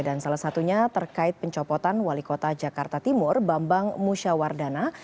dan salah satunya terkait pencopotan wali kota jakarta timur bambang musyawardana